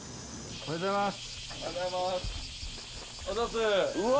おはようございます。